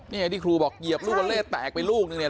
นี่ที่ครูบอกเหยียบลูกบัลเล่นแตกไปลูกนึง